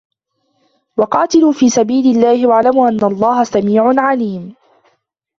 وقاتلوا في سبيل الله واعلموا أن الله سميع عليم